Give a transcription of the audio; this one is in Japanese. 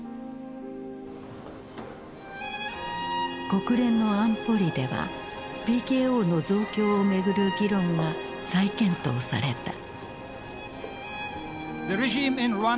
国連の安保理ではＰＫＯの増強を巡る議論が再検討された。